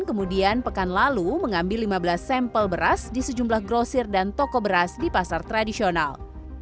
kemudian pekan lalu mengambil lima belas sampel beras di sejumlah grosir dan toko beras di pasar tradisional